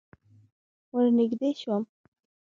ور نږدې شوم.